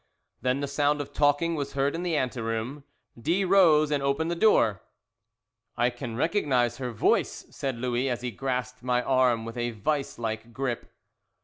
Then the sound of talking was heard in the anteroom. D rose and opened the door. "I can recognize her voice," said Louis, as he grasped my arm with a vice like grip.